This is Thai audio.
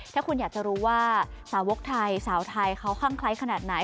ถ้าคุณอยากจะรู้ว่าสาวกไทยสาวไทยเขาคั่งคล้ายขนาดไหน